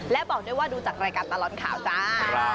และบอกด้วยว่าดูจากรายการตลอดข่าวจ้า